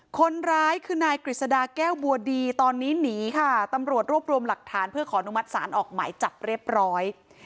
คนร้ายคือนายกฤษฎาแก้วบัวดีตอนนี้หนีค่ะตำรวจรวบรวมหลักฐานเพื่อขออนุมัติศาลออกหมายจับเรียบร้อย